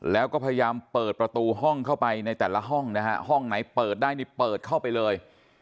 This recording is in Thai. แล้วก็พยายามเปิดประตูห้องเข้าไปในแต่ละห้องนะฮะห้องไหนเปิดได้นี่เปิดเข้าไปเลย